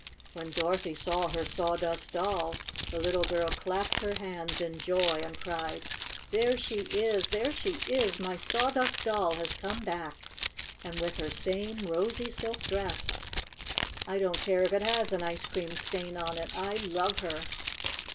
When Dorothy saw her Sawdust Doll the little girl clapped her hands in joy and cried : 6 ' There she is ! There she is ! My Saw dust Doll has come back, and with her same rosy silk dress. I don't care if it has an ice cream stain on it! I love her!"